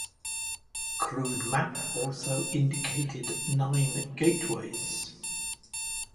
The crude map also indicated nine gateways.